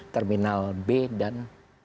terminal b dan